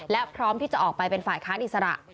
และพร้อมที่จะออกไปเป็นฝ่ายค้านอิสระ